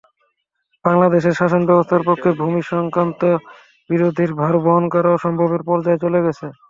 বাংলাদেশের শাসনব্যবস্থার পক্ষে ভূমিসংক্রান্ত বিরোধের ভার বহন করা অসম্ভবের পর্যায়ে চলে গেছে।